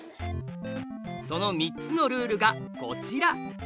その３つのルールがこちら！